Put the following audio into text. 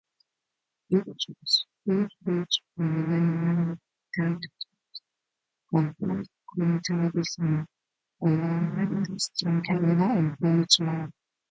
Each suite features granite countertops, a flat-screen television, along with custom cabinets and furniture.